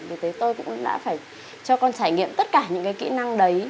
vì thế tôi cũng đã phải cho con trải nghiệm tất cả những cái kỹ năng đấy